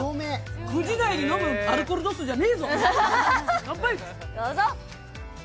９時台に飲むアルコールじゃねえぞ！